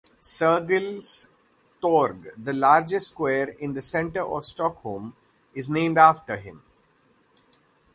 Sergels torg, the largest square in the centre of Stockholm, is named after him.